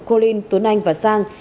colin tuấn anh và sang